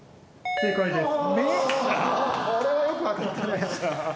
正解です。